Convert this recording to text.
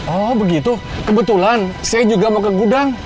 oh begitu kebetulan saya juga mau ke gudang